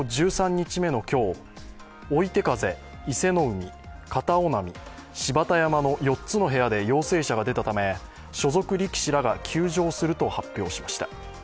１３日目の今日、追手風、伊勢ノ海、片男波芝田山の４つの部屋で陽性者が出たため所属力士らが休場すると発表しました。